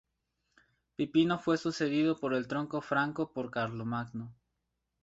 Pipino fue sucedido en el trono franco por Carlomagno.